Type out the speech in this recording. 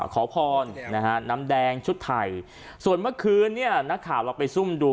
ขอพรนะฮะน้ำแดงชุดไทยส่วนเมื่อคืนเนี่ยนักข่าวเราไปซุ่มดู